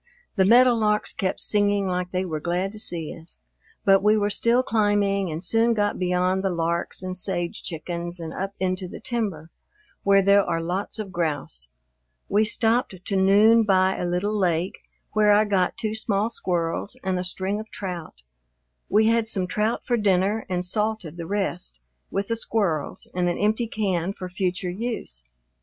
The meadowlarks kept singing like they were glad to see us. But we were still climbing and soon got beyond the larks and sage chickens and up into the timber, where there are lots of grouse. We stopped to noon by a little lake, where I got two small squirrels and a string of trout. We had some trout for dinner and salted the rest with the squirrels in an empty can for future use.